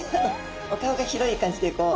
お顔が広い感じでこう。